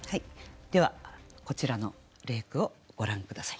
ではこちらの例句をご覧下さい。